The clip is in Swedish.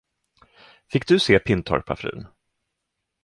Fick du se Pintorpafrun?